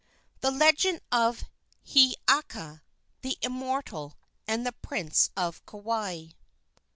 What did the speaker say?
THE LEGEND OF HIIAKA, THE IMMORTAL, AND THE PRINCE OF KAUAI.